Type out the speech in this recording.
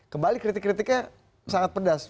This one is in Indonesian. kembali kritik kritiknya sangat pedas